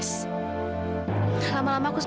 saya gak mau turun